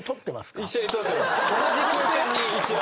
同じ空間に一応。